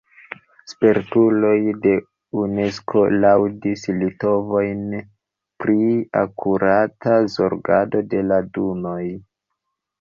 Spertuloj de Unesko laŭdis litovojn pri akurata zorgado de la dunoj.